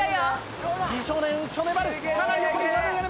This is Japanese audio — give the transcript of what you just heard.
美少年浮所粘る！